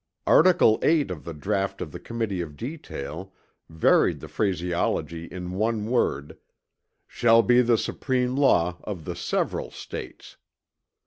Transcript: Article VIII. of the draught of the Committee of Detail varied the phraseology in one word "shall be the supreme law of the several States."